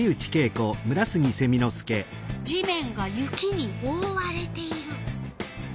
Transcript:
地面が雪におおわれている。